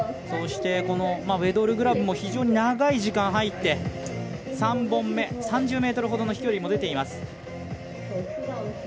そして、ウェドルグラブも非常に長い時間入って３本目、３０ｍほどの飛距離も出ています。